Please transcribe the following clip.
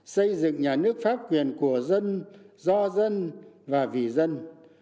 xây dựng nhà nước pháp quyền của dân do dân và vì dân